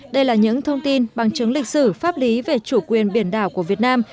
đây là những thông tin bằng chứng lịch sử pháp lý về chủ quyền biển đảo của việt nam